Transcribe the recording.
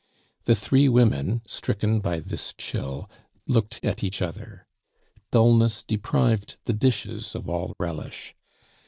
The three women, stricken by this chill, looked at each other. Dulness deprived the dishes of all relish.